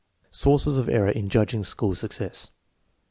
Sources of error in judging school success.